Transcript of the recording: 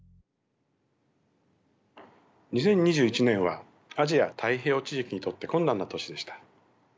２０２１年はアジア・太平洋地域にとって困難な年でした。